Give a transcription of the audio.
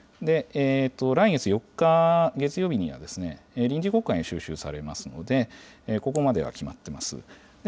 来月４日月曜日には臨時国会が召集されますので、ここまでは決まっています。